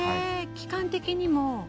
期間的にも。